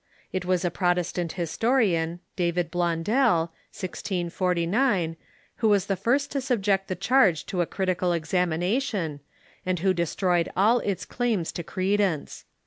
It was a Protestant historian, David Blondel, 1G49, who was the first to subject the charge to a critical examination, and who de stroyed all its claims to credence.